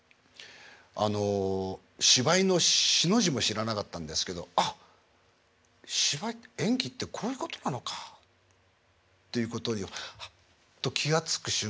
あの芝居の「し」の字も知らなかったんですけど「あっ！芝居演技ってこういうことなのか」っていうことにハッと気が付く瞬間がありまして。